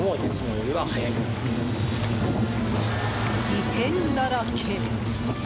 異変だらけ！